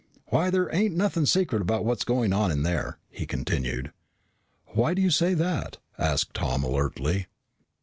"Why, there ain't nothing secret about what's going on in there," he continued. "Why do you say that?" asked Tom alertly.